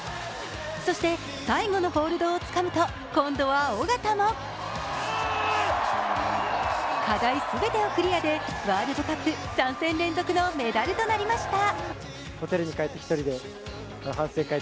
そして最後のホールドをつかむと今度は緒方も課題全てをクリアでワールドカップ３戦連続のメダルとなりました。